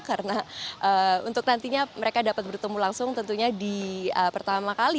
karena untuk nantinya mereka dapat bertemu langsung tentunya di pertama kali